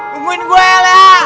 tungguin gue ya leha